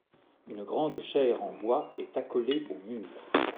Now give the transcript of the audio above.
Une grande chaire en bois est accolée au mur.